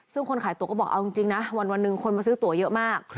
ซึ่งคนขายตัวก็บอกเอาจริงนะวันหนึ่งคนมาซื้อตัวเยอะมาก